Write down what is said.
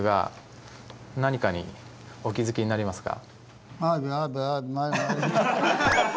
何かにお気付きになりますか？